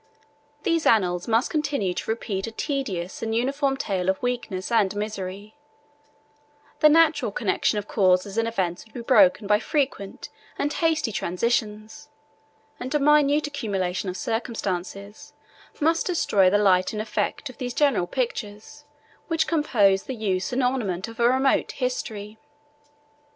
These annals must continue to repeat a tedious and uniform tale of weakness and misery; the natural connection of causes and events would be broken by frequent and hasty transitions, and a minute accumulation of circumstances must destroy the light and effect of those general pictures which compose the use and ornament of a remote history.